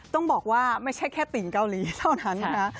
ต้องบอกว่าไม่ใช่แค่ติ่งเกาหลีเท่านั้นนะ